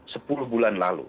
sepuluh bulan lalu